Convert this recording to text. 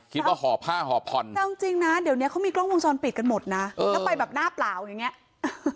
ห่อผ้าห่อผ่อนแต่เอาจริงนะเดี๋ยวเนี้ยเขามีกล้องวงจรปิดกันหมดนะแล้วไปแบบหน้าเปล่าอย่างเงี้ย